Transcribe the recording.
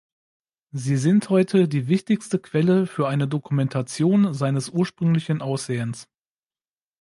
Sie sind heute die wichtigste Quelle für eine Dokumentation seines ursprünglichen Aussehens.